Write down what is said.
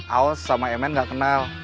aus sama mn gak kenal